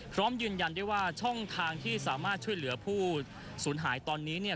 พร้อมยืนยันได้ว่าช่องทางที่สามารถช่วยเหลือผู้สูญหายตอนนี้เนี่ย